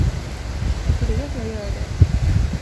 Tycker du att jag gör det?